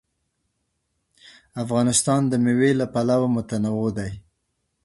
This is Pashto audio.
افغانستان د مېوې له پلوه متنوع دی.